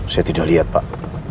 saya tidak lihat pak